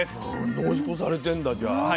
濃縮されてんだじゃあ。